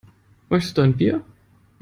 Möchtest du ein Bier?